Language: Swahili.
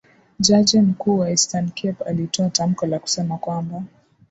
Jaji mkuu wa Eastern Cape alitoa tamko la kusema kwamba